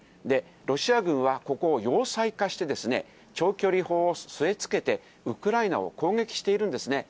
ロシア軍はここを要塞化してですね、長距離砲を据え付けて、ウクライナを攻撃しているんですね。